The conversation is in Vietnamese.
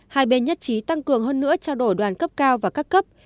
hai bên nhất trí tăng cường hơn nữa trao đổi đoàn cấp cao và các cấp